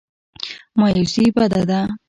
مایوسي بده ده.